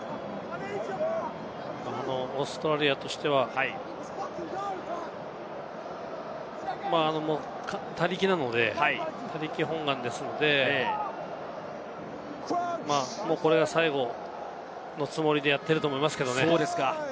オーストラリアとしては他力本願ですので、これが最後のつもりでやっていると思いますけれどもね。